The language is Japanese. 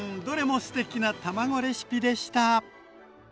どれもすてきな卵レシピでした。